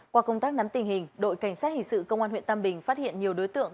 qua công tác nắm tình hình đội cảnh sát hình sự công an huyện tam bình phát hiện nhiều đối tượng